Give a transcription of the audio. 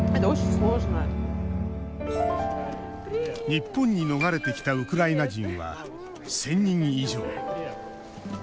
日本に逃れてきたウクライナ人は１０００人以上。